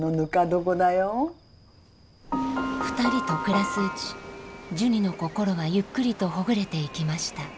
２人と暮らすうちジュニの心はゆっくりとほぐれていきました。